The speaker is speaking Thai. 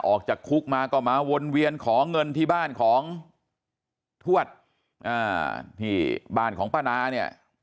ออกจากคุกมาก็มาวนเวียนขอเงินที่บ้านของทวดที่บ้านของป้านาเนี่ย